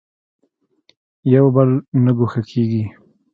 یو بل نه ګوښه کېږي.